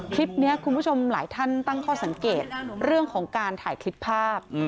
คลิปนี้คุณผู้ชมหลายท่านตั้งข้อสังเกตเรื่องของการถ่ายคลิปภาพ